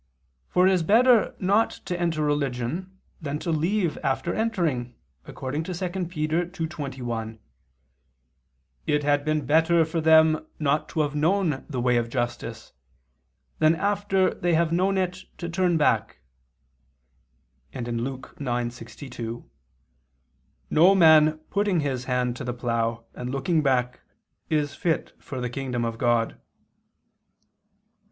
For it is better not to enter religion than to leave after entering, according to 2 Pet. 2:21, "It had been better for them not to have known the way of justice, than after they have known it to turn back," and Luke 9:62, "No man putting his hand to the plough, and looking back, is fit for the kingdom of God."